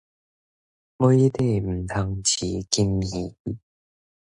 杯底毋通飼金魚